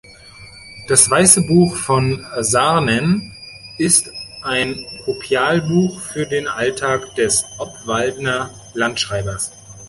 Das Weisse Buch von Sarnen ist ein Kopialbuch für den Alltag des Obwaldner Landschreibers.